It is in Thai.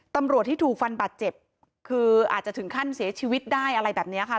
ตำรวจที่ถูกฟันบาดเจ็บคืออาจจะถึงขั้นเสียชีวิตได้อะไรแบบนี้ค่ะ